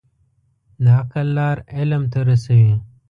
د عقل لار علم ته رسوي.